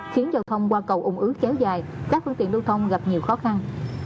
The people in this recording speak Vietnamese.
khiến giao thông qua cầu úng ước kéo dài các phương tiện lưu thông gặp nhiều khó khăn